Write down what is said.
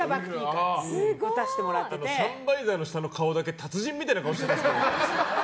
サンバイザーの下だけ達人みたいな顔してる。